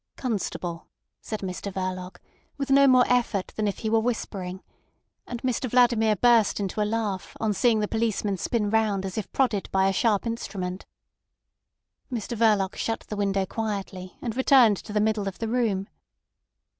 "Constable!" said Mr Verloc, with no more effort than if he were whispering; and Mr Vladimir burst into a laugh on seeing the policeman spin round as if prodded by a sharp instrument. Mr Verloc shut the window quietly, and returned to the middle of the room.